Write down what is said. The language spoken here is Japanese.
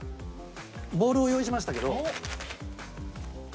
ボールを用意しましたけどはい。